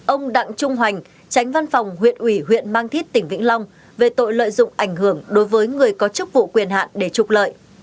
chín ông đặng trung hoành tránh văn phòng huyện ủy huyện mang thít tỉnh vĩnh long về tội lợi dụng ảnh hưởng đối với người có chức vụ quyền hạn để trục lợi